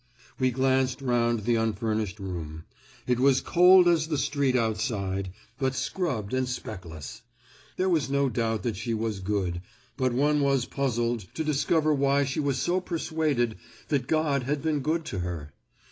We glanced round the unfurnished room. It was cold as the street outside, but scrubbed and speckless. There was no doubt that she was good, but one was puzzled to discover why she was so persuaded that God had been good to her.